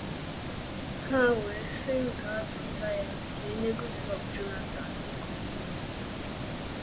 Ha wee sị m gaa zụta ya ka e nye Goodluck Jonathan dịka onyinye